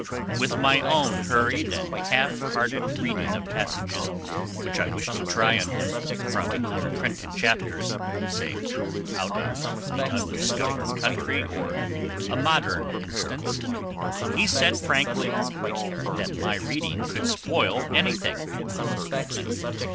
With my own hurried and half hearted reading of passages which I wished to try on him from unprinted chapters (say, out of 'The Undiscovered Country' or 'A Modern Instance') he said frankly that my reading could spoil anything.